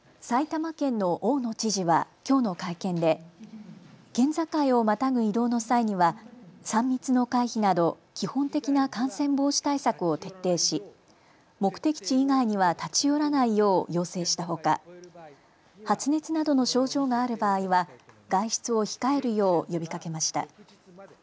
埼玉県の大野知事はきょうの会見で県境をまたぐ移動の際には３密の回避など基本的な感染防止対策を徹底し、目的地以外には立ち寄らないよう要請したほか発熱などの症状がある場合は外出を控えるよう呼びかけました。